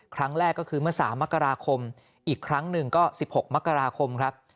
ครั้งแรกก็คือเมื่อ๓มกราคมอีกครั้งหนึ่งก็๑๖มกราคมครับ